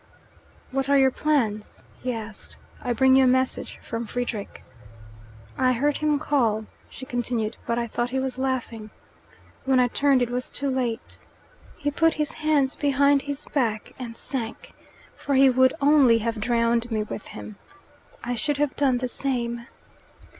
"What are your plans?" he asked. "I bring you a message from Frederick." "I heard him call," she continued, "but I thought he was laughing. When I turned, it was too late. He put his hands behind his back and sank. For he would only have drowned me with him. I should have done the same."